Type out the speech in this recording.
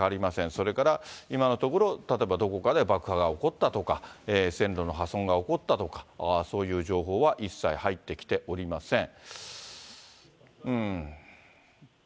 それから今のところ、例えばどこかで爆破が起こっただとか、線路の破損が起こったとか、そういう情報は一切入ってきておりません。